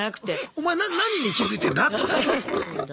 「お前何に気付いてんだ？」